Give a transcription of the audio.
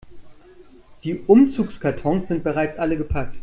Die Umzugskartons sind bereits alle gepackt.